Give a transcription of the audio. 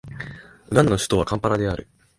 ウガンダの首都はカンパラである